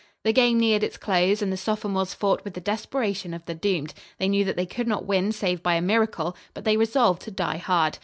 The game neared its close and the sophomores fought with the desperation of the doomed. They knew that they could not win save by a miracle, but they resolved to die hard.